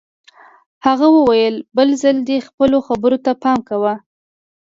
هغه وویل بل ځل دې خپلو خبرو ته پام کوه